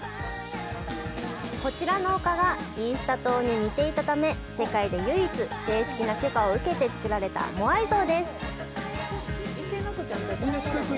こちらの丘がイースター島に似ていたため、世界で唯一、正式な許可を受けて作られたモアイ像です。